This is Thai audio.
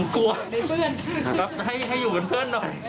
กลัวให้กับเพื่อนนิอาที่